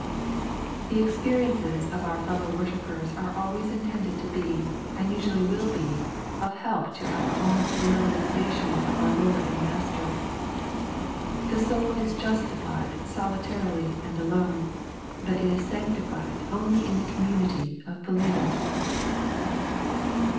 The experiences of our fellow worshippers are always intended to be, and usually will be, of help to our own fuller realisation of our Lord and Master. The soul is justified solitarily and alone, but it is sanctified only in the community of believers.